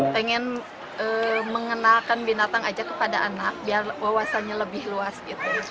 pengen mengenalkan binatang aja kepada anak biar wawasannya lebih luas gitu